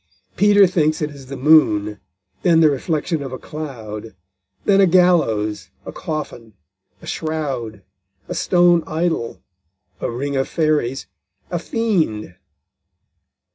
Peter thinks it is the moon, then the reflection of a cloud, then a gallows, a coffin, a shroud, a stone idol, a ring of fairies, a fiend.